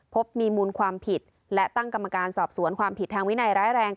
พบมีมูลความผิดและตั้งกรรมการสอบสวนความผิดทางวินัยร้ายแรง